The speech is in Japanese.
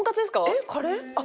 えっカレー？